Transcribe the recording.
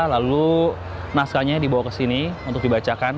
lalu naskahnya dibawa ke sini untuk dibacakan